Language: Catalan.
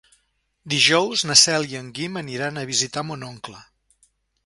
Dijous na Cel i en Guim aniran a visitar mon oncle.